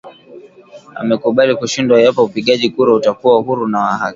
Wamekubali kushindwa iwapo upigaji kura utakuwa huru na wa haki